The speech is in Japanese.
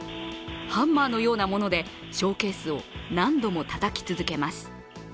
ハンマーのようなものでショーケースを何度もたたき続けます。